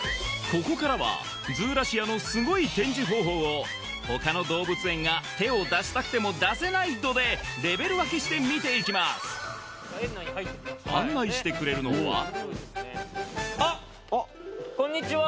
ここからはズーラシアのすごい展示方法をほかの動物園が手を出したくても出せない度でレベル分けして見ていきますあっこんにちは